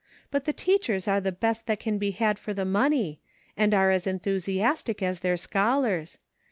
But the teachers are the best that can be had for the money ; and are as enthu siastic as their scholars.